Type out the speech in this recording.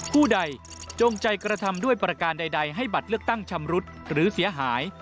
ผู้ใดจงใจกระทำด้วยประการใดให้บัตรเลือกตั้งชำรุดหรือเสียหาย